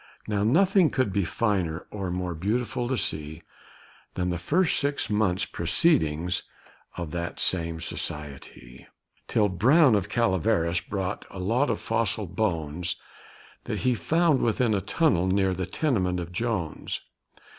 Now, nothing could be finer or more beautiful to see Than the first six months' proceedings of that same society, Till Brown of Calaveras brought a lot of fossil bones That he found within a tunnel near the tenement of Jones.